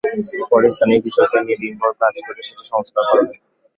পরে স্থানীয় কৃষকদের নিয়ে দিনভর কাজ করে সেটি সংস্কার করা হয়।